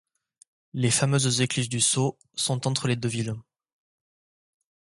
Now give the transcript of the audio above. Les fameuses écluses du Sault sont entre les deux villes.